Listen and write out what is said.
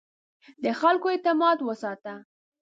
د خلکو اعتماد وساته.